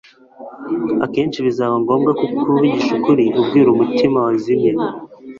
Akenshi bizaba ngombwa kuvugisha ukuri ubwira umutima wazimiye